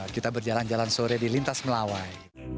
kita berjalan jalan sore di lintas melawai